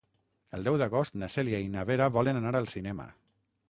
El deu d'agost na Cèlia i na Vera volen anar al cinema.